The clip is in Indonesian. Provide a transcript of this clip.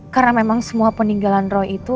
karena memang semua peninggalan roy itu